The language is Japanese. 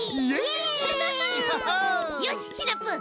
よしシナプー